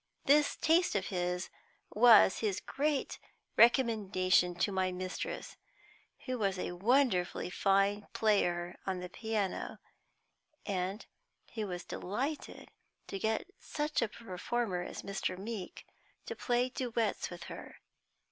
This taste of his was his great recommendation to my mistress, who was a wonderfully fine player on the piano, and who was delighted to get such a performer as Mr. Meeke to play duets with her.